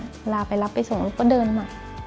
เวลาไปรับไปส่งลูกก็เดินมา